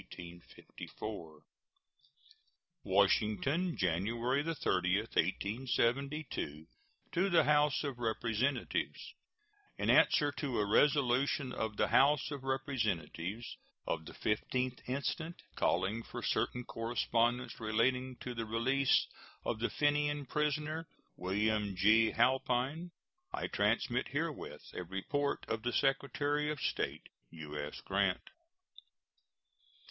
] WASHINGTON, January 30, 1872. To the House of Representatives: In answer to a resolution of the House of Representatives of the 15th instant, calling for certain correspondence relating to the release of the Fenian prisoner William G. Halpine, I transmit herewith a report of the Secretary of State. U.S. GRANT.